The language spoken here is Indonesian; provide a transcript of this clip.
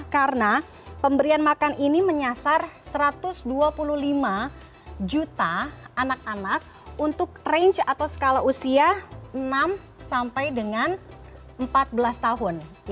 karena pemberian makan ini menyasar satu ratus dua puluh lima juta anak anak untuk range atau skala usia enam sampai dengan empat belas tahun